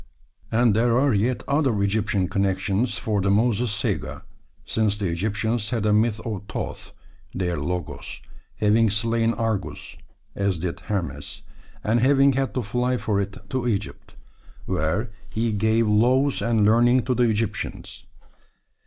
And there are yet other Egyptian connections for the Moses saga, since the Egyptians had a myth of Thoth (their Logos) having slain Argus (as did Hermes), and having had to fly for it to Egypt, where he gave laws and learning to the Egyptians.